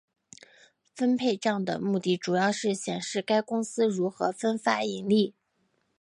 分配帐的目的主要是显示该公司如何分发盈利。